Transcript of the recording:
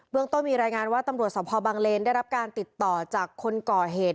เรื่องต้นมีรายงานว่าตำรวจสภบังเลนได้รับการติดต่อจากคนก่อเหตุ